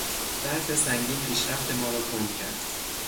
برف سنگین پیشرفت ما را کند کرد.